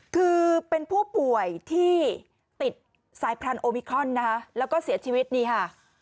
คือเป็นผู้ป่วยที่ติดสายพันธุ์โอมิครอนนะคะแล้วก็เสียชีวิตนี่ค่ะ